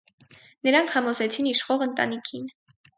Նրանք համոզեցին իշխող ընտանիքին։